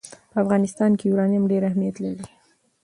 په افغانستان کې یورانیم ډېر اهمیت لري.